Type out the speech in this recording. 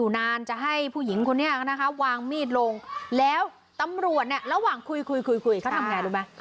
เขาทำยังไงด้วยหรือเปล่า